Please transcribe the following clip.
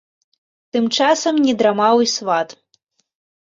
Тым часам не драмаў і сват.